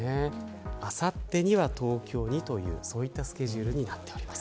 あさってには東京にというそういったスケジュールになっております。